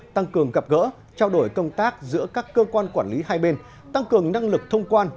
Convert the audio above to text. tăng cường gặp gỡ trao đổi công tác giữa các cơ quan quản lý hai bên tăng cường năng lực thông quan